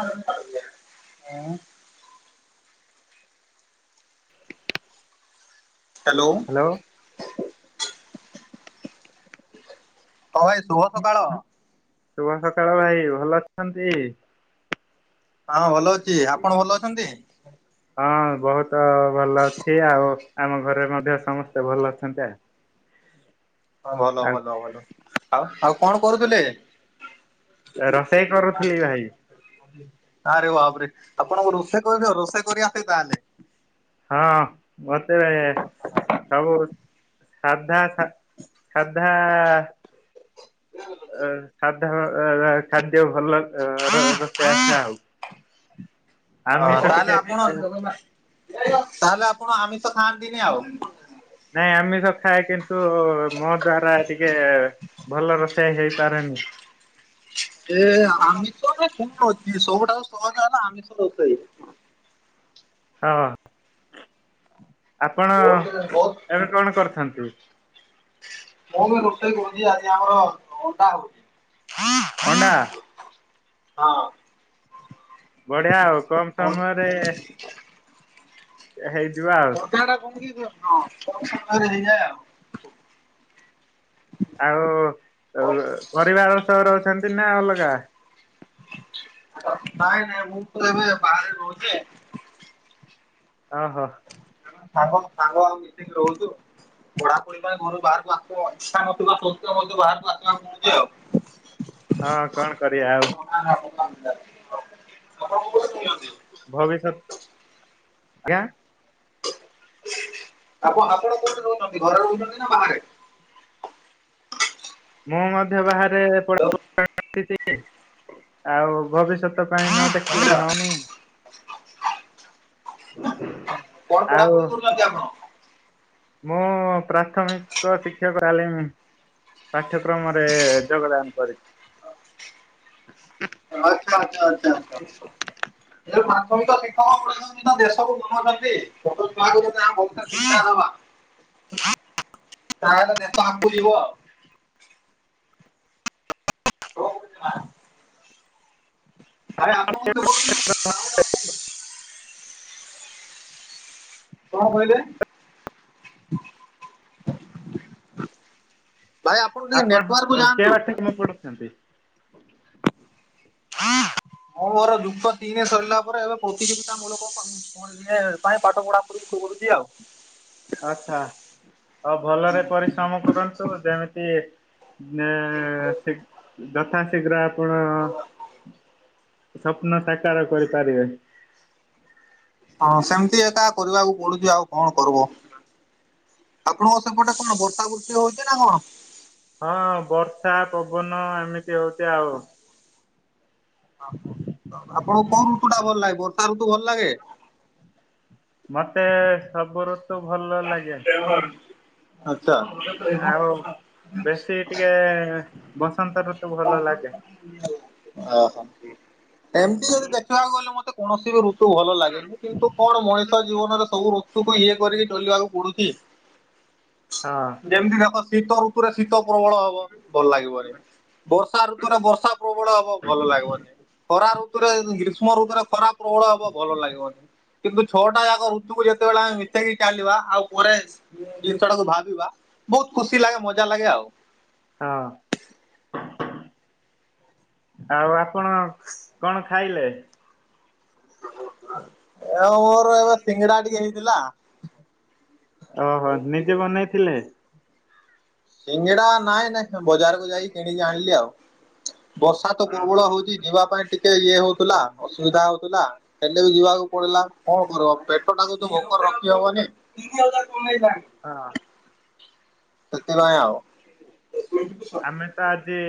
[inaudible] ଅଁ hello. Hello. ହଁ ଭାଇ। ଶୁଭ ସକାଳ ଶୁଭ ସକାଳ ଭାଇ। ଭଲ ଅଛନ୍ତି? ହଁ ଭଲ ଅଛି। ଆପଣ ଭଲ ଅଛନ୍ତି? ହଁ ବହୁତ ଭଲ ଅଛି ଆଉ ଆମ ଘରେ ମଧ୍ୟ ସମସ୍ତେ ଭଲ ଅଛନ୍ତି ଆ। ହଁ ଭଲ ଭଲ ଭଲ। ଆଉ ଆଉ କଣ କରୁଥୁଲେ? ରୋଷେଇ କରୁଥିଲି ଭାଇ ଆରେ ବାପରେ ଆପଣଙ୍କୁ ରୋଷେଇ କରିଦିଅ ରୋଷେଇ କରି ଆସେ ତାହେଲେ। ହଁ ମତେ ସବୁ ରୋ ସାଧା ସା ସାଧା [unintelligible] ଅ ସାଧା ଅ ଖାଦ୍ୟ ଭଲ ର ରୋଷେଇ ଆସେ ଆଉ। ହଁ ଆମିଷ ତାହେଲେ ଟିକେ ଆପଣ ତାହେଲେ ଆପଣ ଆମିଷ ଖାଆନ୍ତିନି ଆଉ। ନାଇଁ ଆମିଷ ଖାଏ କିନ୍ତୁ ମୋ ଦ୍ଵାରା ଟିକେ ଭଲ ରୋଷେଇ ହେଇପାରେନି। ଏ ଆମିଷରେ କଣ ଅଛି ସବୁଠାରୁ ସହଜ ହେଲା ଆମିଷ ରୋଷେଇ। ହଁ। ଆପଣ ବହୁତ ବହୁତ ଏବେ କଣ କରୁଛନ୍ତି? ମୁଁ ବି ରୋଷେଇ କରୁଚି ଆଜି ଆମର ଅଣ୍ଡା ହଉ ଅଣ୍ଡା। ହଁ। ବଢ଼ିଆ ଆଉ କୁମ ସମୟରେ ହେଇଯିବ ଆଉ। ଜାଉଡ଼ା କଁ କି ଜ ହଁ କମ୍ ସମୟରେ ହେଇଯାଏ ଆଉ। ଆଉ ଅ ପରିବାର ସହ ରହୁଛନ୍ତି ନାଁ ଅଲଗା? ନାଇଁ ନାଇଁ ମୁଁ ତ ଏବେ ବାହାରେ ରହୁଚି। ଅହ। ଆମେ ସାଙ୍ଗ ସାଙ୍ଗ ଆଉ ମିଶିକି ରହୁଚୁ। ପଢାପଢ଼ି ପାଇଁ ଘରୁ ବାହାରକୁ ଆସିବ ଇଚ୍ଛା ନଥିବା ସତ୍ବେ ମଧ୍ୟ ବାହାରକୁ ଆସିବାକୁ ପଡ଼ୁଚି ଆଉ। ହଁ କଣ କରିବା ଆଉ? ଆପଣ କୋଉଥିରେ ନିଅନ୍ତି? ଭବିଷ୍ୟତ ଆଜ୍ଞା? ଆପଣ ଆପଣ କୋଉଠି ରହୁଛନ୍ତି ଘରେ ରହୁଛନ୍ତି ନା ବାହାରେ? ମୁଁ ମଧ୍ୟ ବାହାରେ ପଢ଼ା [inaudible] ଆଉ ଭବିଷ୍ୟତ ପାଇଁ ଦେଖିଲେ ଆଚା। ହଉନି ଆଉ। କରୁଛନ୍ତି ଆପଣ? ମୁଁ ପ୍ରାଥମିକ ଶିକ୍ଷକ ଆଲିମି। ପାଠ୍ୟକ୍ରମରେ ଯୋଗଦାନ କରିଛି। ଆଚ୍ଛା ଆଚ୍ଛା ଆଚଛା ଆଛା। ଏ ପ୍ର ମାଥମିକ ଶିକ୍ଷକ ପଛନ୍ତି ଦେଶକୁ ବନଉଛନ୍ତି। [inaudible] ଶିକ୍ଷା ଦବା ତାହେଲେ ଦେଶ ଆଗକୁ ଯିବ। ଆରେ ଆପଣ ମେ। [unintelligible] କଣ କହିଲେ? ଭାଇ ଆପଣଙ୍କୁ ଟିକେ ନେଟୱାର୍ କୁ ଯାଆନ୍ତୁ। ତମେ ପଢୁଛନ୍ତି। ହଁ ମୋର ଯୁକ୍ତ ତିନି ସରିଲା ପରେ ଏବେ ପାଈଁ କ ପାଠ [unintelligible] ପଢ଼ା ପଢି କରୁଚି ଆଉ। ଆଛା ଆଉ ଭଲରେ ପରିଶ୍ରମ କରନ୍ତୁ ଯେମିତି ଜେ ସେ ଯଥା ଶୀଘ୍ର ଆପଣ ସ୍ୱପ୍ନ ସାକାର କରିପାରିବେ। ହଁ ସେମିତି ଏକା କରିବାକୁ ପଡୁଛି ଆଉ କଣ କରବ। ଆପଣଙ୍କ ସେପଟେ କଣ ବର୍ଷା ବୁର୍ଷି ହଉଛି ନା କଣ? ହଁ ବର୍ଷା ପବନ ଏମିତି ହଉଛି ଆଉ। ହଁ। ଆପଣଙ୍କୁ କୋଉ ଋତୁଟା ଭଲ ଲାଗେ ବର୍ଷା ଋତୁ ଭଲ ଲାଗେ? ମତେ ସବୁ ରତୁ ଭଲ ଲାଗେ। ଆଉ ଆଚ୍ଛା। ବେଶୀ ଟିକେ ବସନ୍ତ ଋତୁ ଭଲ ଲାଗେ। ଓହୋ ଏମିତି ଯଦି ଦେଖିବାକୁ ଗଲେ ମତେ କୌଣସି ବି ଋତୁ ଭଲ ଲାଗେନି। କିନ୍ତୁ କଣ ମଣିଷ ଜୀବନରେ ସବୁ ଋତୁକୁ ଇଏ କରିକି ଚଲିବାକୁ ପଡୁଛି। ହଁ। ଯେମିତି ଦେଖ ଶୀତ ଋତୁରେ ଶୀତ ପ୍ରବଳ ହବ ଭଲ ଲାଗିବନି। ବର୍ଷା ଋତୁରେ ବର୍ଷା ପ୍ରବଳ ହବ ଭଲ ଲାଗିବନି। ଖରା ଋତୁରେ ଗ୍ରୀଷ୍ମ ଋତୁରେ ଖରା ପ୍ରବଳ ହବ ଭଲ ଲାଗିବନି କିନ୍ତୁ ଛଅଟା ଯାକ ରୁ [inaudible] ଯେତେବେଳେ ଆମେ ମିଶେଇକି ଚାଲିବା ଆଉ ପରେ ଜିନିଷଟାକୁ ଭାବିବା ବହୁତ ଖୁସି ଲାଗେ ମଜା ଲାଗେ ଆଉ। ହଁ। ଆଉ ଆପଣ କଣ ଖାଇଲେ? ଏଁ ମୋର ଏବେ ସିଙ୍ଗଡା ଟିକେ ହେଇଥିଲା। ଓ ହୋ ନିଜେ ବନେଇଥିଲେ? ସିଙ୍ଗଡ଼ା ନାଇଁ ନାଇଁ ଚ ବଜାରକୁ ଯାଇ କିଣିକି ଆଣିଲି ଆଉ। ବର୍ଷା ତ ଓହୋ ପ୍ରର୍ବଳ ହଉଛି ଯିବା ପାଇଁ ଟିକେ ଇଏହଉଥିଲା ଅସୁବିଧା ହଉଥିଲା। ହେଲେ ବି ଯିବାକୁ ପଡିଲା। କଣ କରିବ ପେଟଟାକୁ ତ ଭୋକରେ ରଖି ହବନି। ହଁ। ସେଥିପାଇଁ ଆଉ। ଆମେତ ଆଜି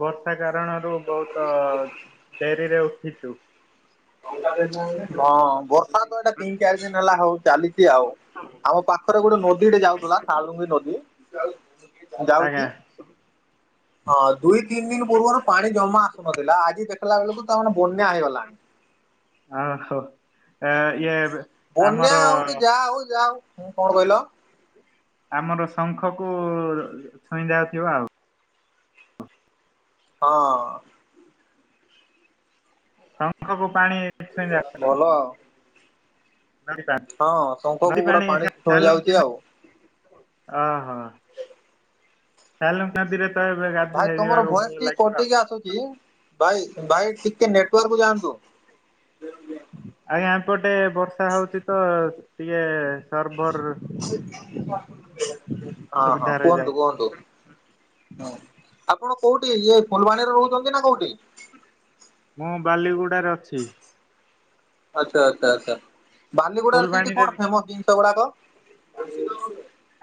ବର୍ଷା କାରଣରୁ ବହୁତ ଡେରିରେ ଉଠିଛୁ। ହଁ ବର୍ଷା ତ ଏଇଟା ତିନି ଚାରି ଦିନ ହେଲା ହଉ ଚାଲିଛି ଆଉ। ଆମ ପାଖରେ ଗୋଟେ ନଦୀଟେ ଯାଉଥିଲା ସାଳୁଙ୍ଗି ନଦୀ ଆଜ୍ଞା ଯାଉଚି। ହଁ ଦୁଇ ତିନି ଦିନ ପୂର୍ବରୁ ପାଣି ଜମା ଆସୁନଥିଲା ଆଜି ଦେଖିଲା ବେଳକୁ ତାମାନେ ବନ୍ୟା ହେଇଗଲା। ଆ ହୋ ବନ୍ୟା ହଉକି ଯା ହଉ ଯା ହଉ କଂ କଣ କହିଲ? ଆମର ଶଙ୍ଖକୁ ଛୁଇଁ ଯାଉଥିବ ଆଉ। ହଁ ଅଁ। ଶଙ୍ଖ କୁ ପାଣି ଏଠି ଛୁଁଇବ। ଭଲ ଅ [unintelligible] ହଁ ନଦୀ ଶଙ୍ଖକୁ ପୁରା ପାଣି ଛୁଇଁ ଯାଉଚି ଆଉ। ଅ ହ। ସାଲୁଙ୍ଗ ନଦୀରେ ତ ଏବେ ଭାଇ ତମର ଗାଧୁଯିବାକୁ ଭଏସ ଭଲ ଲାଗିବ। [unintelligible] ଭାଇ ଭାଇ ଟିକେ ନେଟୱାର୍କୁ ଯାଆନ୍ତୁ। ଆଜ୍ଞା ଏପଟେ ବର୍ଷା ହଉଚି ତ ଟିକେ ସରର୍ଭର ହଁ ହଁ କୁହନ୍ତୁ କୁହନ୍ତୁ। ହଁ ଆପଣ କୋଉଠି ଇଏ ଫୁଲବାଣୀରେ ରହୁଚନ୍ତି ନାଁ କୋଉଠି? ମୁଁ ବାଲିଗୁଡା ରେ ଅଛି। ଆଚ୍ଛା ଆଚ୍ଛା ଆଚ୍ଛା ବାଲିଗୁଡାରେ ସେଇଠିଁ ଫୁଲବାଣୀରେ କଣ ଫେମସ ଜିନିଷ ଗୁଡାକ?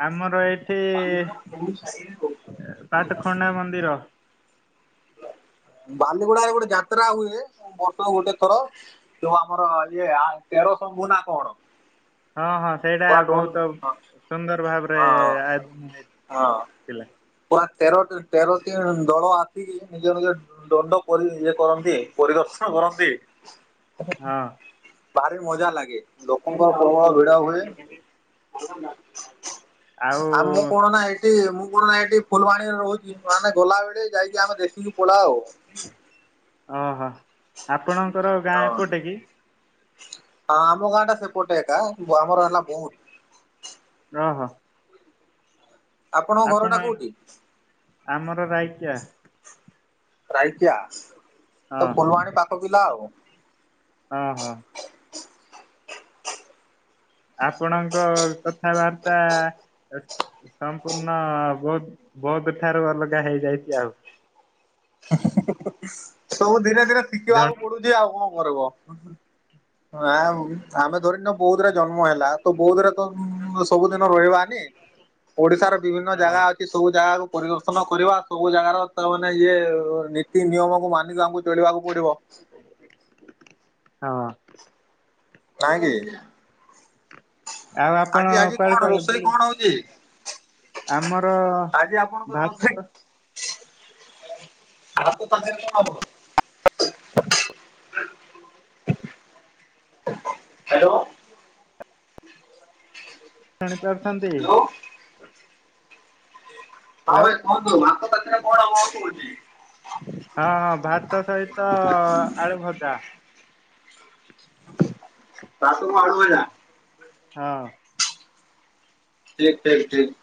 ଆମର ଏଇଠିଁ ପାଟଖଣ୍ଡା ମନ୍ଦିର। ବାଲିହୁଡାଏ ଗୋଟେ ଯାତ୍ରା ହୁଏ ବଡ ଗୋଟେ ଥର ଯଉଁ ଆମର ଇଏ ଆଁ ତେରସଂଭୂ ନାଁ କଣ? ହଁ ହଁ ସେଇଟା ପୁରା ଡୋନ୍ ବହୁତ ହଁ ସୁନ୍ଦର ଭାବରେ ହଁ ଆୟୋଜନ ହେଇକି ହଁ। ଥିଲା। ପୁରା ତେର ତେରଟି ଦଳ ନିଜ ନିଜ ର ଦଣ୍ଡପରି ଇଏ କରନ୍ତି ପରିଦର୍ଶନ କରନ୍ତି। ହଁ। ଭାରି ମଜା ଲାଗେ ଲୋକଙ୍କ ପ୍ରବଳ ଭିଡ ହୁଏ। ଆଉ ଆମୁଁ କଣ ନାଁ ହେ ଟି ମୁଁ କଣ ହେଠି ଫୁଲବାଣୀରେ ରହୁଚି ମାନେ ଗଲାବେଳେ ଯାଇକି ଆମେ ଦେଖିକି ପଳାଉ। ଓଁ ହୋ ଆପଣଙ୍କର ଗାଁ ଏପଟେ କି? ହଁ ଆମ ଗାଁ ଟା ସେପଟେ ଏକା ଆମର ହେଲା ବୋଉଟ। ଓଁ ହୋ। ଆପଣଙ୍କ ଆପଣ ଘରଟା କୋଉଠି? ଆମର ରାଇଚିଆ। ରାଇଚିଆ? ହଁ ହଁ ହଁ। ଆପଣଙ୍କ କଥାବାର୍ତ୍ତା ସମ୍ପୂର୍ଣ୍ଣ ବହୁତ ବହୁତ ଠାରୁ ଅଲଗା ହେଇଯାଇଚି ଆଉ। ସବୁ ଧିରେ ଧିରେ ଶିଖିବାକୁ ଜଣ ପଡୁଚି। ଆଉ କଣ କରିବ। ଆମେ ଧରି ନିଅ ବୌଧରେ ଜନ୍ମ ହେଲା ତ ବୌଧରେ ତ ସବୁଦିନ ରହିବାନି। ଓଡିଶାର ବିଭିନ୍ନ ହଁ ଜାଗା ଅ ସବୁ ଜାଗାକୁ ପରିଦର୍ଶନ କରିବା ସବୁ ଜାଗାର ତା ମାନେ ଇଏ ନୀତି ନିୟମକୁ ମାନିକି ଆମକୁ ଚଳିବାକୁ ପଡିବ। ହଁ। ନାଇଁକି? ଆଉ ଆପଣ ଆଜି ଆଜି କୁଆଡେ କଣ କୁଆଡେ ରୋଷେଇ ବୁଲି କଣ ହଉଛି? ଆମର ଆଜି ଆପଣଙ୍କର ଭାତ ରୋଷେଇ ଆ ତ ତାଙ୍କ କବ [unintelligible] ହ୍ୟାଲୋ। ଶୁଣି ପାରୁଛନ୍ତି? ହ୍ୟାଲୋ ହଁ ହ୍ୟାଲୋ ହଉ କୁହନ୍ତୁ ଭାତ ପାଖରେ କଣ ହବ କଉ କହୁଛି? ହଁ ହଁ ଭାତ ସହିତ ଆଳୁ ଭଜା ଭାତ କୁ ଆଲୁଭଜା ହଁ। ଠିକ ଠିକ୍ ଠିକ୍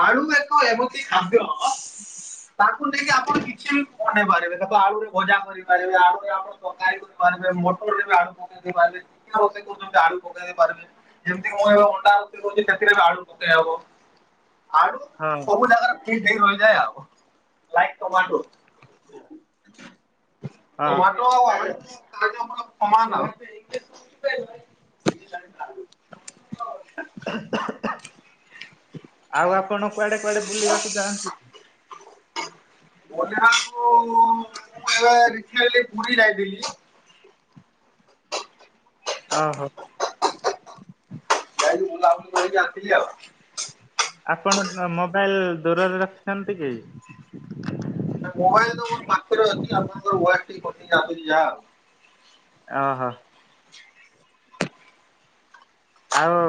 ଆଳୁ ଏକ ଏମିତି ଖାଦ୍ୟ ତାକୁ ନେଇକି ଆପଣ କିଛି ବନେଇ ପାରିବେ ତାକୁ ଆଳୁରେ ଭଜା କରିପାରିବେ ଆଳୁରେ ଆପଣ କରିପାରେ ମଟରେ ବି ଆଳୁ ପକେଇ ଦେଇ ପାରିବେ କରୁଛନ୍ତି ଆଳୁ ପକେଇ ଦେଇ ପାରିବେ ଯେମିତିକି ମୁଁ ଏ ଅଣ୍ଡା କହୁଛି ସେଥିରେ ଆଳୁ ପକେଇ ହବ ଆଳୁ ହଁ ସବୁ ଜାଗାରେ ସେ ରହିଯା ଆଉ ଲାଇକ ଟମାଠୁ ହଁ ଟମାଟ ଆଳୁ ଟି କହିବାକୁ ଗଲେ ସମାନ ବୁଲିବାକୁ ମୁଁ ଏବେ ଆଉ ଆପଣ କୁଆଡେ କୁଆଡେ ବୁଲିବାକୁ ଯାଆନ୍ତି? ବୁଲିବାକୁ ମୁଁ ଏବେ ରିସେଣ୍ଟ୍ଲି ପୁରୀ ଯାଇଥିଲି ଓହୋ। ଯାଇକି ବୁଲାବୁଲି କରକି ଆସିଲି ଆଉ ଆପଣ ମୋବାଇଲ ଦୂରରେ ରଖିଛନ୍ତି କି? ମୋବାଇଲ ତ ମୋ ପାଖରେ ଅଛି ଆପଣଙ୍କର ୱାଡ୍ ଟିକେ କଟିଯାଉଚି ଯାହା ଓହୋ। ଆଉ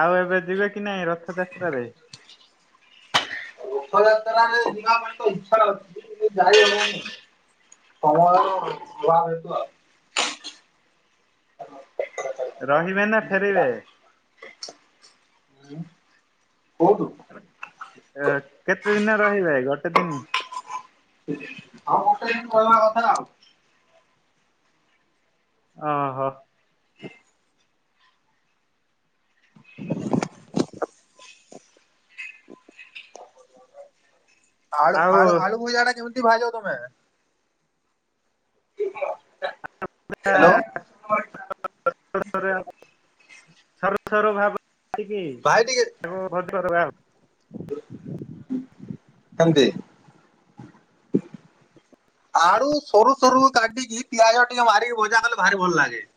ଆଉ ଏବେ ଯିବେ କି ନାଇଁ ରଥଯାତ୍ରାରେ? ରଥଯାତ୍ରାରେ ଯିବା ପାଇଁ ଇଚ୍ଛା ଅଛି ହେଲେ ଯାଇ ହବନି ସମୟ ଅଭାବ ହେତୁ ଆଉ ରହିବେ ନା ଫେରିବେ? ହୁଁ କୋଉଠୁ? କେତେ ଦିନ ରହିବେ ଗୋଟେ ଦିନ? ହଁ ଗୋଟେ ଦିନ୍ ରହିବା କଥା ଆଉ ଓହୋ। ହ। [inaudible] ଆଳୁ ଆଉ ଆଳୁ ଆଳୁ ଭୁଜା ଟା କେମିତି ଭାଜ ତମେ? ହ୍ୟାଲୋ ସରୁ [unintelligible] ସରୁ ସରୁ ଭାବରେ କାଟିକି ଭାଇ ଭଜା ହୁଏ ହେନନ୍ତି [unintelligible] ଆଳୁ ସରୁ ସରୁ କାଟିକି ପିଆଜ ଟିକେ ମାରିକି ଭଜା କଲେ ଭାରି ଭଲ ଲାଗେ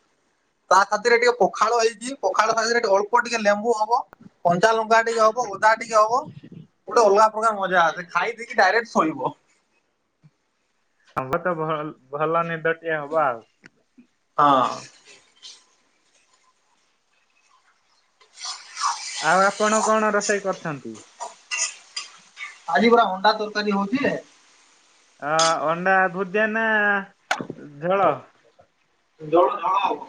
ତା ସାଥିରେ ଟିକେ ପଖାଳ ହେଇଛି ପଖାଳ ସାଥିରେ ଟିକେ ଅଳ୍ପ ଟିକେ ଲେମ୍ବୁ ହବ କଞ୍ଚା ଲଙ୍କା ଟିକେ ହବ ଅଦା ଟିକେ ହବ ଗୋଟେ ଅଲଗା ପ୍ରଲଗା ମଜା, ଆ ଖାଇ ଦେଇକି ଡାଇରେକ୍ଟ ଶୋଇବ। ହବ ତ ଭ ଭଲ ନିଦଟିଏ ହବ ଆଉ। ହଁ। ଆଉ ଆପଣ କଣ ରୋଷେଇ କରୁଛନ୍ତି? ଆଜି ପା ଅଣ୍ଡା ତରକାରୀ ହଉଛି। ଅ ଅଣ୍ଡା ଭୁଜିଆ ନା ଝୋଳ? ଝୋଳ ଝୋଳ ଆଉ।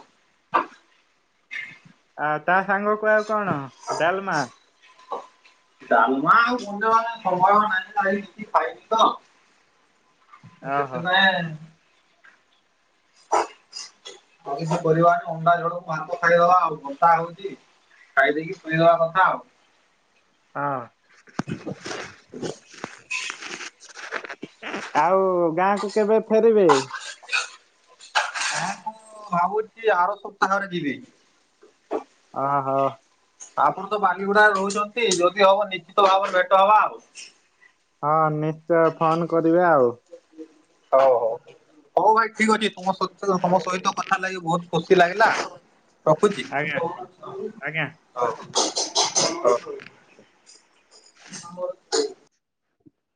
ଆ ତା ସାଙ୍ଗ କୁ ଆଉ କଣ? ଡାଲମା? ଡାଲମା ଆଉ ସେତେ ମାନେ ସମ୍ଭୟ ନାହିଁ। କିଛି ଖାଇନି ତ? ଓହୋ ସେଥିପାଇଁ। ଆଉ କିସ କରିବା, ଅଣ୍ଡା ଝୋଳକୁ ଭାତ ଖାଇଦବା ଆଉ ବର୍ଷା ହଉଛି। ଖାଇଦେଇକି ଶୁୋଇଦବା କଥା ଆଉ। ହଁ। ଆଉ ଗାଁକୁ କେବେ ଫେରିବେ? ମୁଁ ଭାବୁଛି ଆର ସପ୍ତାହରେ ଯିବି। ଆ ଓହୋ। ଆପଣ ତ ବାଲିଗୁଡା ରହୁଛନ୍ତି, ଯଦି ହବ ନିଶ୍ଚିତ ଭାବରେ ଭେଟ ହବା ଆଉ। ହଁ ନିଶ୍ଚୟ ଫୋନ କରିବେ ଆଉ। ହଉ, ହଉ। ହଉ ଭାଇ ଠିକ ଅଛି, ତମ ତମ ସହିତ କଥା ଲାଗି ବହୁତ ଖୁସି ଲାଗିଲା। ରଖୁଛି। ଆଜ୍ଞା ଆଜ୍ଞା ହ